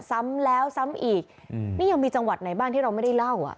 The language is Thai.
ซ้ำแล้วซ้ำอีกนี่ยังมีจังหวัดไหนบ้างที่เราไม่ได้เล่าอ่ะ